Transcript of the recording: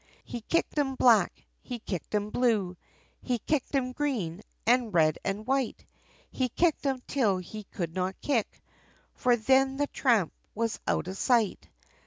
He kicked him black! He kicked him blue! He kicked him green! and red and white! He kicked him, till he could not kick, For then the tramp was out of sight!